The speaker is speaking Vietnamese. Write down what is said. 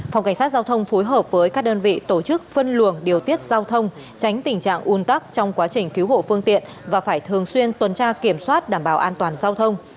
phòng cảnh sát giao thông phối hợp với các đơn vị tổ chức phân luồng điều tiết giao thông tránh tình trạng un tắc trong quá trình cứu hộ phương tiện và phải thường xuyên tuần tra kiểm soát đảm bảo an toàn giao thông